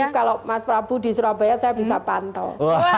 jadi kalau mas prabu di surabaya saya bisa pantau